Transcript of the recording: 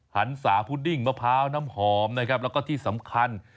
หันศาพุดดิ้งมะพร้าวน้ำหอมนะครับแล้วก็ที่สำคัญ